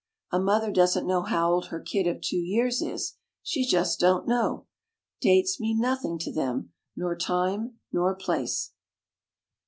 A mother doesn't know how old her kid of two years is — she Just don't know. Dates mean nothing to them. Nor time nor place.